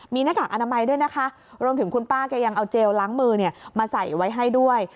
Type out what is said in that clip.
มีหน้ากากอนามัยด้วยนะคะรวมถึงคุณป้าแกยังเอาเจลล้างมือมาใส่ไว้ให้ด้วย